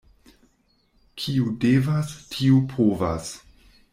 Kiu devas, tiu povas.